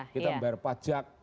kita membayar pajak